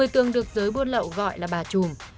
một mươi tường được giới buôn lậu gọi là bà chùm